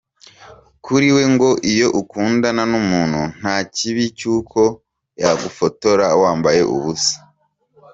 Kuri we ngo iyo ukundana n’umuntu nta kibi cy’uko yagufotora wambaye ubusa.